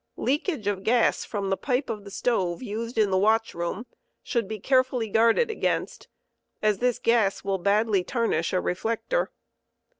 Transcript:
Leakage of gas from the pipe of the stove used in the watchroom should be carefully guarded against, as this gas will badly tarnish a reflector.